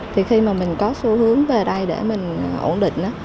thì khi mà mình có xu hướng về đây để mình ổn định